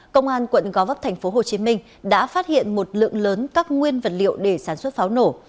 công an quận gó vấp tp hcm đã phát hiện một lượng lớn các nguyên vật liệu để sản xuất pháo nổ